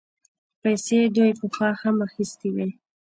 پيسې دوی پخوا هم اخيستې وې.